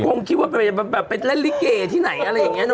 คงคิดว่าเป็นแรลลิเกย์ที่ไหนอะไรอย่างนี้เนอะ